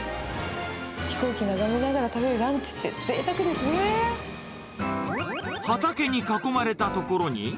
飛行機ながめながら食べるラ畑に囲まれた所に。